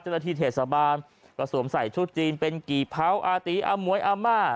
เจ้าหน้าที่เทศบาลก็สวมใส่ชุดจีนเป็นกี่เผาอาตีอามวยอาม่า